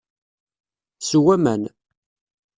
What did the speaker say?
Sew aman.